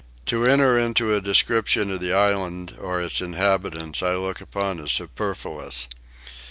To enter into a description of the island or its inhabitants I look upon as superfluous.